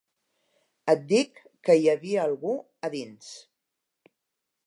Et dic que hi havia algú a dins.